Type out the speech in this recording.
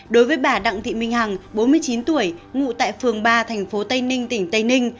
đối với bà đặng thị minh hằng bốn mươi chín tuổi ngụ tại phường ba thành phố tây ninh tỉnh tây ninh